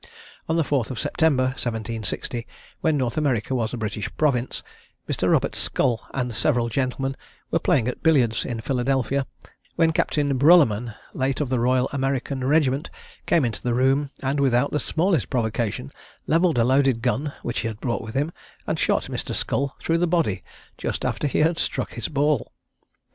On the 4th of September, 1760, when North America was a British province, Mr. Robert Scull and several gentlemen were playing at billiards in Philadelphia, when Captain Bruluman, late of the Royal American regiment, came into the room, and, without the smallest provocation, levelled a loaded gun, which he had brought with him, and shot Mr. Scull through the body just after he had struck his ball.